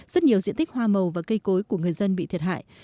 rất nhiều diện tích hoa màu và cây cối của người dân bị thiệt hại